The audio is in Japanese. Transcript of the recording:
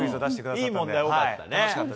いい問題多かったね。